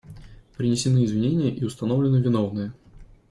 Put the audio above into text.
Принесены извинения и установлены виновные.